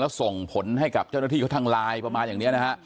แล้วส่งผลให้กับเจ้าหน้าที่เขาทางไลน์ประมาณอย่างนี้นะฮะ